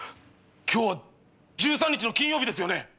今日は１３日の金曜日ですよね？